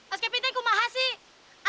mas kepin itu yang aku mahasiswa